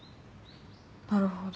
なるほど。